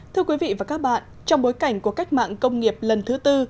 thưa quý vị và các bạn trong bối cảnh của cách mạng công nghiệp lần thứ tư